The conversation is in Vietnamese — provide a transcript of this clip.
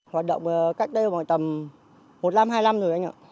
hoạt động cách đây khoảng tầm một năm hai mươi năm rồi anh ạ